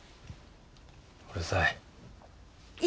うるさい。